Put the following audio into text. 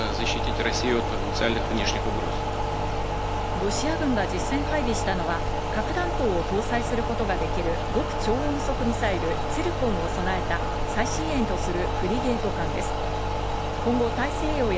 ロシア軍が実戦配備したのは核弾頭を搭載することができる極超音速ミサイル、ツィルコンを備えた最新鋭とするフリゲート艦です。